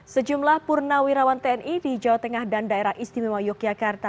sejumlah purnawirawan tni di jawa tengah dan daerah istimewa yogyakarta